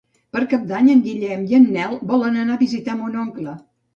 Per Cap d'Any en Guillem i en Nel volen anar a visitar mon oncle.